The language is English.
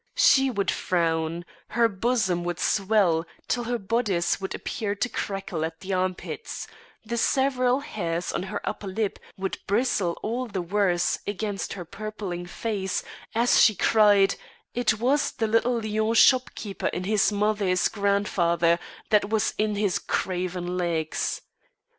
She would frown, her bosom would swell till her bodice would appear to crackle at the armpits, the seven hairs on her upper lip would bristle all the worse against her purpling face as she cried it was the little Lyons shopkeeper in his mother's grandfather that was in his craven legs.